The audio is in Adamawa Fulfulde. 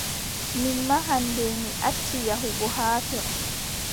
Min maa hannde mi acci yahugo haa ton.